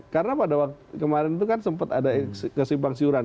karena pada waktu kemarin itu kan sempat ada kesimpang siuran